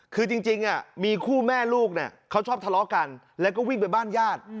คือจริงมีคู่แม่ลูกเนี่ยเขาชอบทะเลาะกันแล้วก็วิ่งไปบ้านญาติ